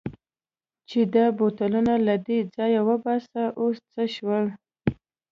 چې دا بوتلونه له دې ځایه وباسه، اوس څه شول؟